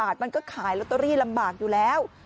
บาทมันก็ขายลอตเตอรี่ลำบากอยู่แล้ว